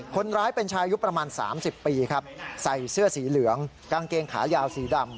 คนร้ายเป็นชายุคประมาณ๓๐ปีครับใส่เสื้อสีเหลืองกางเกงขายาวสีดำ